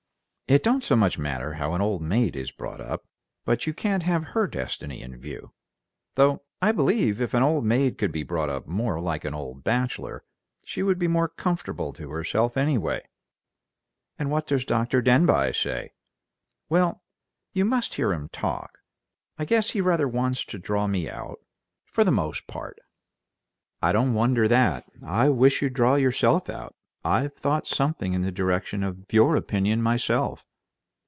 It don't so much matter how an old maid is brought up, but you can't have her destiny in view, though I believe if an old maid could be brought up more like an old bachelor she would be more comfortable to herself, anyway." "And what does Dr. Denbigh say?" "Well, you must hear him talk. I guess he rather wants to draw me out, for the most part." "I don't wonder at that. I wish you'd draw yourself out. I've thought something in the direction of your opinion myself."